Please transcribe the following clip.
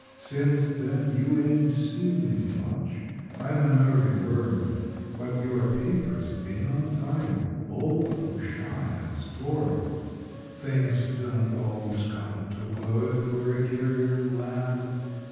Since then you ain't seen me much ; I'm an early worm. But your paper's been on time All through shine and storm. Things don't always come too good For a carrier lad.